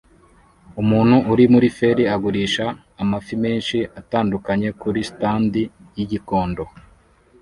Umuntu uri muri feri agurisha amafi menshi atandukanye kuri stand yigikondo